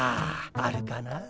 あるかな。